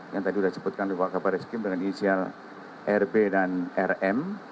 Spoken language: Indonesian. yang tadi sudah disebutkan di wakabariskim dengan inisial rb dan rm